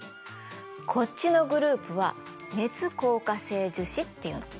こっちのグループは熱硬化性樹脂っていうの。